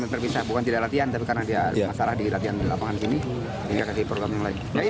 terpisah bukan tidak latihan tapi karena dia masalah di latihan lapangan sini tinggal kasih perutnya yang lain